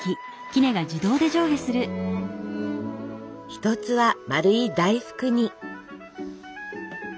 一つは丸い大福に。